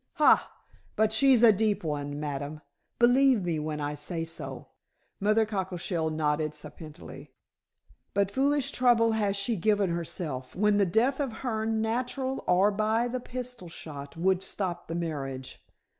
"Hai! But she's a deep one, ma'am, believe me when I say so," Mother Cockleshell nodded sapiently. "But foolish trouble has she given herself, when the death of Hearne natural, or by the pistol shot would stop the marriage."